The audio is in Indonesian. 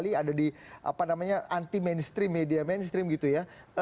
oleh karena ini ada yang nanti mainstream media mainstream gitu ya